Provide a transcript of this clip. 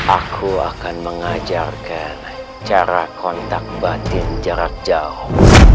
aku akan mengajarkan cara kontak batin jarak jauh